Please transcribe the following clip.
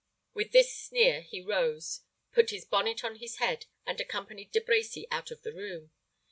With this sneer he rose, put his bonnet on his head, and accompanied De Brecy out of the room.